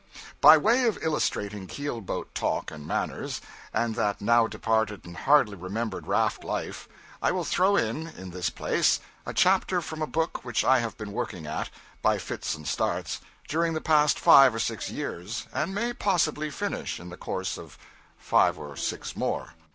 By way of illustrating keelboat talk and manners, and that now departed and hardly remembered raft life, I will throw in, in this place, a chapter from a book which I have been working at, by fits and starts, during the past five or six years, and may possibly finish in the course of five or six more.